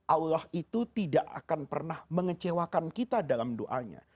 allah itu tidak akan pernah mengecewakan kita dalam doanya